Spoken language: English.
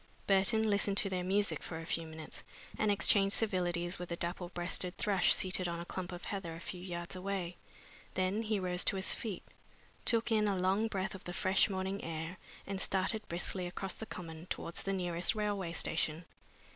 Burton listened to their music for a few minutes, and exchanged civilities with a dapple breasted thrush seated on a clump of heather a few yards away. Then he rose to his feet, took in a long breath of the fresh morning air, and started briskly across the Common towards the nearest railway station.